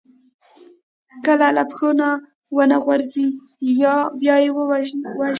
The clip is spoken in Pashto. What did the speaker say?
که له پښو ونه غورځي، بیا يې وژني.